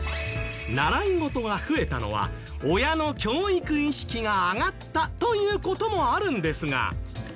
習い事が増えたのは親の教育意識が上がったという事もあるんですが。